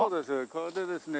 これでですね